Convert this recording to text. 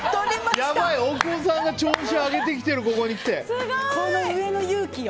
やばい大久保さんが調子上げてきてるこの上の勇気よ。